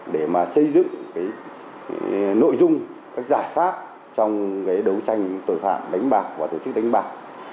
để mà xây dựng cái nội dung cái giải pháp trong cái đấu tranh tội phạm đánh bạc và tổ chức đánh bạc